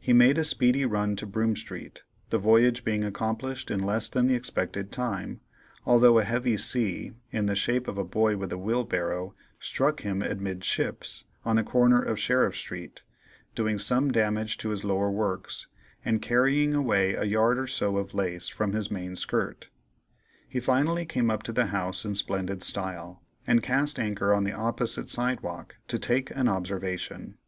He made a speedy run to Broome street, the voyage being accomplished in less than the expected time, although a heavy sea, in the shape of a boy with a wheelbarrow, struck him amidships, on the corner of Sheriff street, doing some damage to his lower works and carrying away a yard or so of lace from his main skirt. He finally came up to the house in splendid style, and cast anchor on the opposite sidewalk to take an observation.